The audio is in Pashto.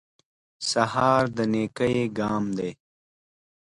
سهار د نېکۍ ګام دی.